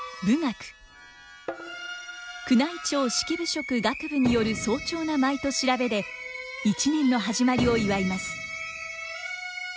宮内庁式部職楽部による荘重な舞と調べで一年の始まりを祝います。